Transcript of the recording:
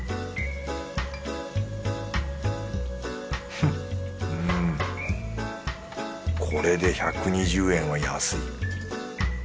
フッうんこれで１２０円は安い